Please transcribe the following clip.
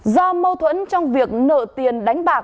do mâu thuẫn trong việc nợ tiền đánh giá